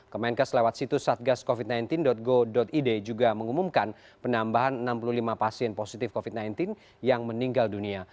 kemenkes lewat situs satgascovid sembilan belas go id juga mengumumkan penambahan enam puluh lima pasien positif covid sembilan belas yang meninggal dunia